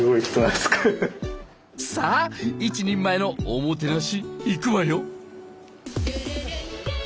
さあ一人前のおもてなしいくわよ。